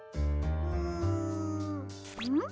うんん？